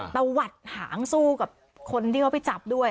ตะวัดหางสู้กับคนที่เขาไปจับด้วย